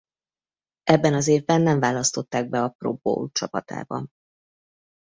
Ebben az évben nem választották be a Pro Bowl csapatába.